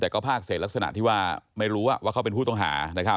แต่ก็ภาคเศษลักษณะที่ว่าไม่รู้ว่าเขาเป็นผู้ต้องหา